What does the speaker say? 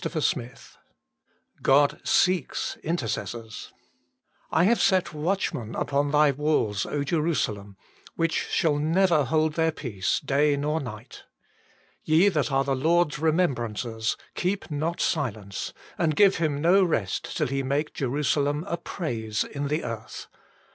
A PLEA FOR MORE PRAYER CHAPTER XIV seeks Intercessors " I have set watchmen upon thy walla, Jerusalem, which shall never hold their peace day nor night. Ye that are the Lord s remembrancers, keep not silence, and give Him no rest till He make Jerusalem a praise in the earth."